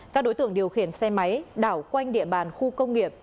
các đối tượng điều khiển xe máy đảo quanh địa bàn khu công nghiệp